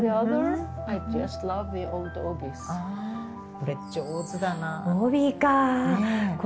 これ上手だなって。